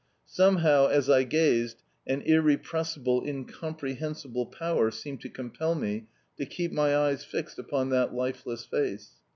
Somehow, as I gazed, an irrepressible, incomprehensible power seemed to compel me to keep my eyes fixed upon that lifeless face.